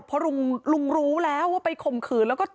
เพราะลุงรู้แล้วว่าไปข่มขืนแล้วก็